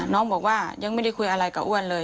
น้องบอกว่ายังไม่ได้คุยอะไรกับอ้วนเลย